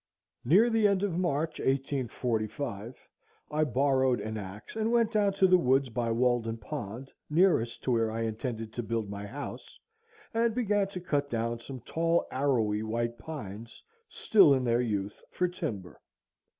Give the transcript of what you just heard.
Near the end of March, 1845, I borrowed an axe and went down to the woods by Walden Pond, nearest to where I intended to build my house, and began to cut down some tall, arrowy white pines, still in their youth, for timber.